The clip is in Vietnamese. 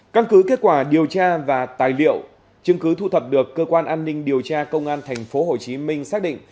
căn cứ kết quả điều tra và tài liệu chứng cứ thu thập được cơ quan an ninh điều tra công an tp hcm xác định